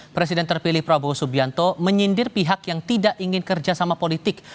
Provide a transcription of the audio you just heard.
presiden terpilih prabowo subianto menyindir pihak yang tidak ingin kerjasama politik